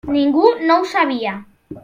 Ningú no ho sabia.